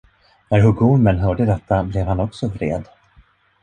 När huggormen hörde detta, blev också han vred.